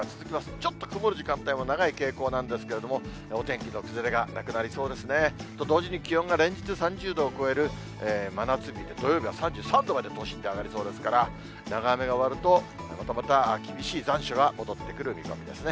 ちょっと曇る時間帯も長い傾向なんですけれども、お天気の崩れがなくなりそうですね。と同時に、気温が連日、３０度を超える真夏日、土曜日は３３度まで都心で上がりそうですから、長雨が終わると、またまた厳しい残暑が戻ってくる見込みですね。